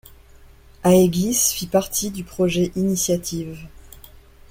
Aegis fit partie du projet Initiative.